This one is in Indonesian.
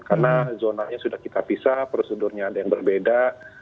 karena zonanya sudah kita pisah prosedurnya ada yang berbeda